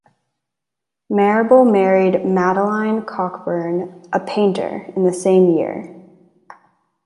Marrable married Madeline Cockburn, a painter, in the same year.